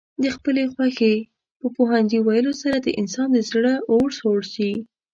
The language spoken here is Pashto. د خپلې خوښې په پوهنځي ويلو سره د انسان د زړه اور سوړ شي.